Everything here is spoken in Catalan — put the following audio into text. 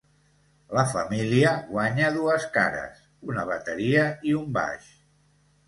La família guanya dues cares, una bateria i un baix.